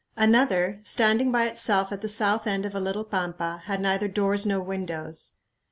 Another, standing by itself at the south end of a little pampa, had neither doors nor windows.